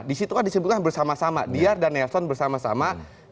di situ kan disebutkan bersama sama diar dan nelson bersama sama